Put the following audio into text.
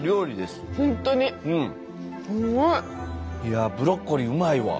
すごい。いやブロッコリーうまいわ。